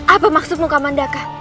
apa maksudmu kamandaka